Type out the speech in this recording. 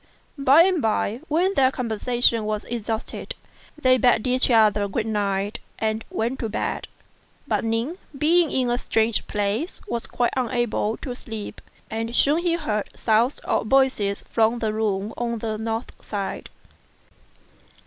By and by, when their conversation was exhausted, they bade each other good night and went to bed; but Ning, being in a strange place, was quite unable to sleep ; and soon he heard sounds of voices from the room on the north side.